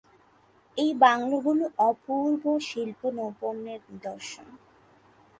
এই বাংলোগুলি অপূর্ব শিল্পনৈপুণ্যের নিদর্শন।